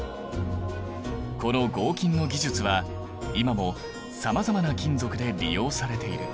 この合金の技術は今もさまざまな金属で利用されている。